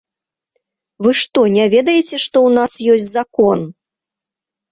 Вы што, не ведаеце, што ў нас ёсць закон?